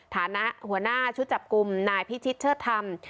ฐานะหัวหน้าชุดจับกลุ่มนายพิชิตเชิดธรรม